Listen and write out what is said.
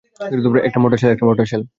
একটা mortar shell.